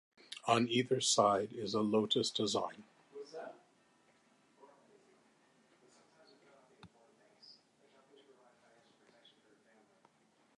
On either side is a lotus design.